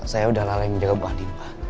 saya udah lalai menjaga buah diri pak